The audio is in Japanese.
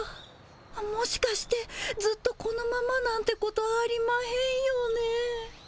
あっもしかしてずっとこのままなんてことありまへんよね。